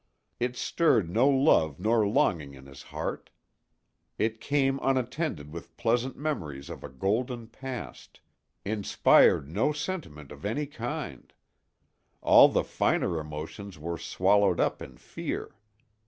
It stirred no love nor longing in his heart; it came unattended with pleasant memories of a golden past—inspired no sentiment of any kind; all the finer emotions were swallowed up in fear.